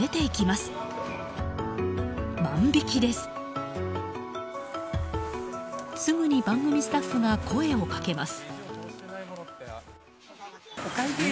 すぐに番組スタッフが声をかけます。